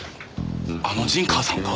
あの陣川さんが？